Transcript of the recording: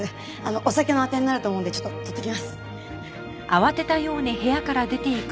お酒のあてになると思うんでちょっと取ってきます。